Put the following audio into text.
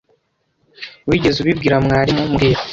Wigeze ubibwira mwarimu mbwira